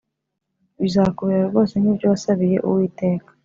Bizakubera rwose nk ibyo wasabiye Uwiteka